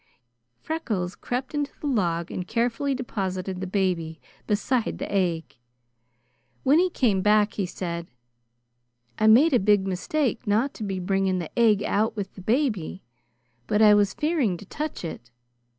Freckles crept into the log and carefully deposited the baby beside the egg. When he came back, he said: "I made a big mistake not to be bringing the egg out with the baby, but I was fearing to touch it.